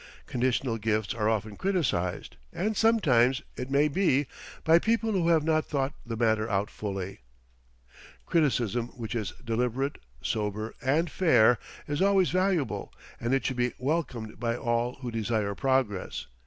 Conditional gifts are often criticized, and sometimes, it may be, by people who have not thought the matter out fully. Criticism which is deliberate, sober, and fair is always valuable and it should be welcomed by all who desire progress.